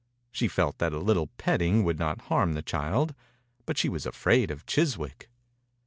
She felt that a little petting would not harm the child, but she was afraid of Chiswick.